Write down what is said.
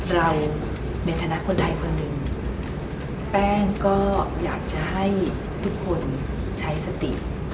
ในฐานะคนไทยคนหนึ่งแป้งก็อยากจะให้ทุกคนใช้สติ